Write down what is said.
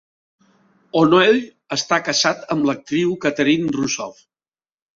O'Neill està casat amb l'actriu Catherine Rusoff.